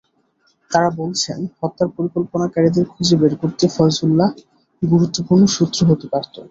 তাঁরা বলছেন, হত্যার পরিকল্পনাকারীদের খুঁজে বের করতে ফয়জুল্লাহ গুরুত্বপূর্ণ সূত্র হতে পারত।